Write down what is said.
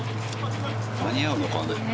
間に合うのかね。